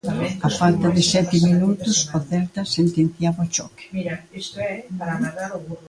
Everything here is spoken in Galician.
A falta de sete minutos, o Celta sentenciaba o choque.